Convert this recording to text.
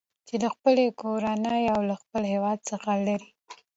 چې له خپلې کورنۍ او له خپل هیواد څخه لېرې